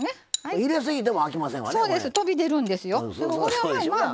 入れすぎてもあきませんわね。